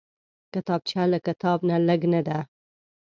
کتابچه له کتاب نه لږ نه ده